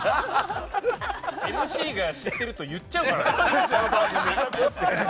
ＭＣが知ってると言っちゃうから。